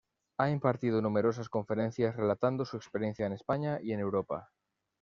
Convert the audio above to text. Ha impartido numerosas conferencias relatando su experiencia en España y en Europa.